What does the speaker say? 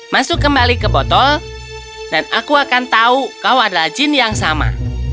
masuk kembali ke botol dan aku akan tahu kau adalah jin yang sama